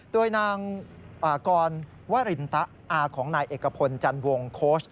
โดยนางกรวรินตะอาของนายเอกพลจันวงโค้ช